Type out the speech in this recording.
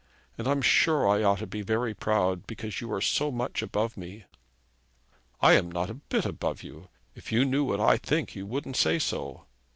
And I'm sure I ought to be very proud, because you are so much above me.' 'I am not a bit above you. If you knew what I think, you wouldn't say so.'